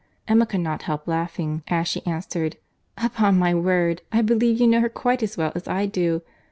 Emma could not help laughing as she answered, "Upon my word, I believe you know her quite as well as I do.